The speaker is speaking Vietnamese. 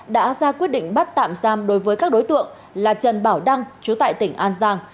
đã ra quyết định bắt tạm giam đối với các đối tượng là trần bảo đăng chú tại tỉnh an giang